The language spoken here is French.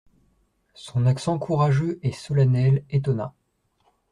Son accent courageux et solennel étonna.